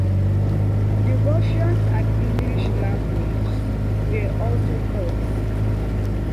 The Russian and English languages were also taught.